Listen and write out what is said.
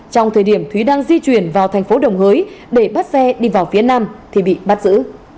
trong thời điểm thúy đang di chuyển vào thành phố đồng hới để bắt xe đi vào phía nam thì bị bắt giữ